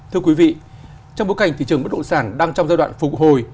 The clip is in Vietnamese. thưa quý vị trong bối cảnh thị trường bất động sản đang trong giai đoạn phục hồi